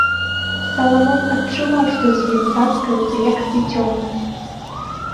Саламон адчуваў, што з ім цацкаюцца, як з дзіцем.